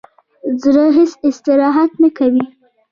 زړه هیڅ استراحت نه کوي.